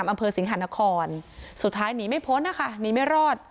อำเภอสิงหานครสุดท้ายหนีไม่พ้นนะคะหนีไม่รอด